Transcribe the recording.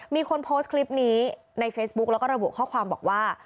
มีคนโพสต์คลิปนี้ในเฟซบุ๊กแล้วก็ระบุข้อความบอกว่า